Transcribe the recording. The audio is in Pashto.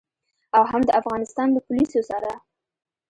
او هم د افغانستان له پوليسو سره.